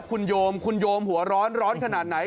คุณโยมคุณโยมหัวร้อนร้อนขนาดไหน